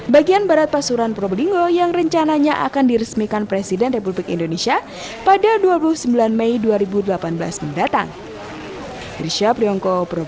bagian barat pasuran probolinggo yang rencananya akan diresmikan presiden republik indonesia pada dua puluh sembilan mei dua ribu delapan belas mendatang